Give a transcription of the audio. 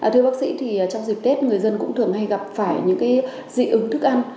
thưa bác sĩ thì trong dịp tết người dân cũng thường hay gặp phải những dị ứng thức ăn